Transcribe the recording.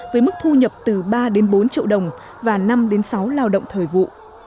với mức thu nhập từ ba bốn triệu đồng và năm sáu lao động thời vụ